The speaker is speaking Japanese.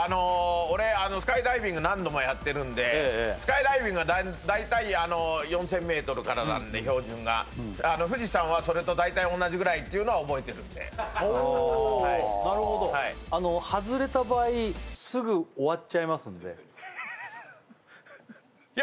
俺スカイダイビング何度もやってるんでスカイダイビングは大体４０００ｍからなんで標準が富士山はそれと大体同じくらいっていうのは覚えてるんでなるほどあのすぐ終わっちゃいますんでいや